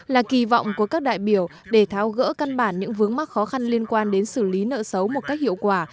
là kỳ vọng của các đại biểu để tháo gỡ căn bản những vướng mắc khó khăn liên quan đến xử lý nợ xấu một cách hiệu quả